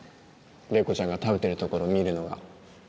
麗子ちゃんが食べてるところ見るのが